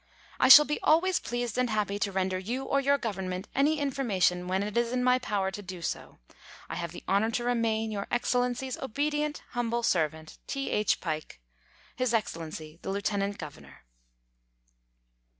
I shall be always pleased and happy to render you or your Government any information when it is in my power so to do. I have the honour to remain, Your Excellency's obedient humble servant, T. H. PYKE. His Excellency the Lieuteuant Governor.